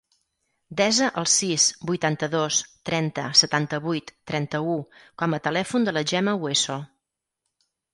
Desa el sis, vuitanta-dos, trenta, setanta-vuit, trenta-u com a telèfon de la Gemma Hueso.